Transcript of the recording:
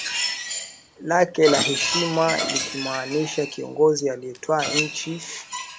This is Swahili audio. lake la heshima likimaanisha kiongozi aliyetwaa nchi nyingiMkwawa alizaliwa mnamo mwaka elfu moja